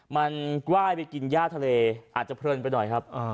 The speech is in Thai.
มันกล้ายไปกินย่าทะเลอาจจะเพลินไปหน่อยครับ